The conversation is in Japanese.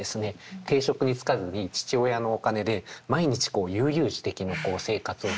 定職に就かずに父親のお金で毎日こう悠々自適の生活をしている。